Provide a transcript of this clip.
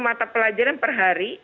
mata pelajaran per hari